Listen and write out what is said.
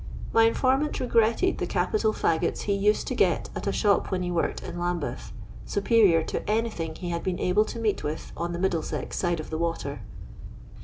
My informant re gretted the capital fttgots he used to get at a shop when he worked in Lambeth ; superior to anything he had been able to meet with on the Middlesex side of the water.